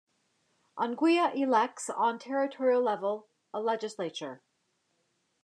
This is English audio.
Anguilla elects on territorial level a legislature.